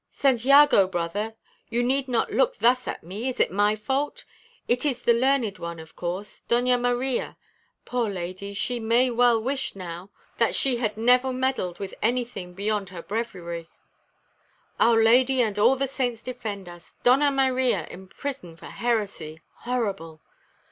"St. Iago, brother! You need not look thus at me. Is it my fault? It is the learned one, of course, Doña Maria. Poor lady, she may well wish now that she had never meddled with anything beyond her Breviary." "Our Lady and all the saints defend us! Doña Maria in prison for heresy horrible!